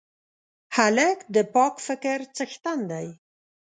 هلک د پاک فکر څښتن دی.